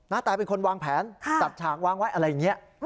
แตเป็นคนวางแผนจัดฉากวางไว้อะไรอย่างนี้